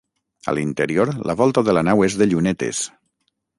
A l'interior, la volta de la nau és de llunetes.